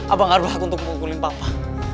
abah nggak berhak untuk mengungkulin papa